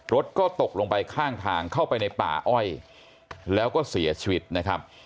รถก็ตกลงไปข้างทางเข้าไปในป่าอ้อยแล้วก็เสียชีวิตนะครับ